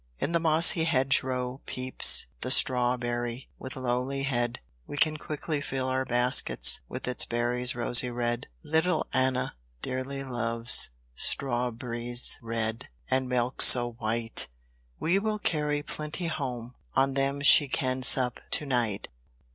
In the mossy hedge row peeps, The strawberry with lowly head; We can quickly fill our baskets, With its berries rosy red. Little Anna dearly loves Strawb'ries red, and milk so white: We will carry plenty home, On them she can sup to night.